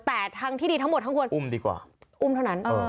แต่ทางที่ดีทั้งหมดทั้งควรอุ้มเท่านั้น